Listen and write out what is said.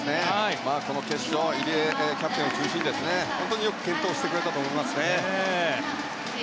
決勝は入江キャプテンを中心に本当によく健闘してくれたと思います。